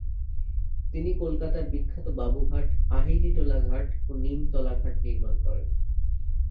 তিনি কলকাতার বিখ্যাত বাবুঘাট, আহিরীটোলা ঘাট ও নিমতলা ঘাট নির্মাণ করেন।